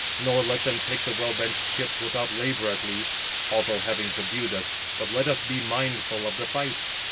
Nor let them take the well benched ships without labour at least, although having subdued us, but let us be mindful of the fight."